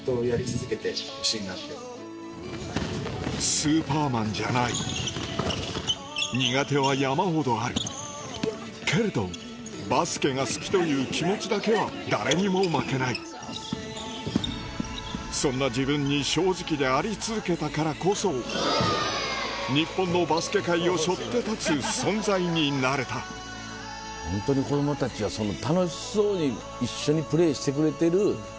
スーパーマンじゃない苦手は山ほどあるけれどバスケが好きという気持ちだけは誰にも負けないそんな自分に正直であり続けたからこそ日本のバスケ界を背負って立つ存在になれた多分もう心に刺さってるよね。